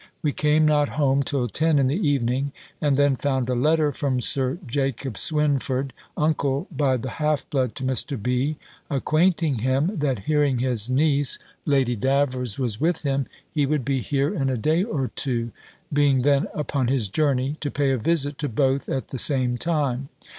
We came not home till ten in the evening, and then found a letter from Sir Jacob Swynford, uncle by the half blood to Mr. B., acquainting him, that hearing his niece, Lady Davers, was with him, he would be here in a day or two (being then upon his journey) to pay a visit to both at the same time.